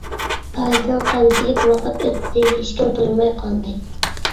ئارىدىن قانچىلىك ۋاقىت ئۆتتى، ھېچكىم تۇيماي قالدى.